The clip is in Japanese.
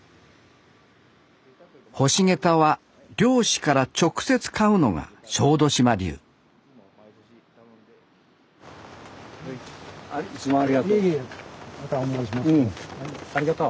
干しゲタは漁師から直接買うのが小豆島流いつもありがとう。